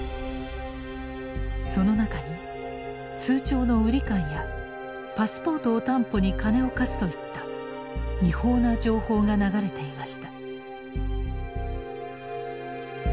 その中に通帳の売り買いやパスポートを担保に金を貸すといった違法な情報が流れていました。